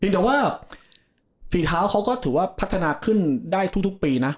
แต่ว่าฝีเท้าเขาก็ถือว่าพัฒนาขึ้นได้ทุกปีนะ